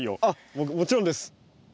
あっもちろんです。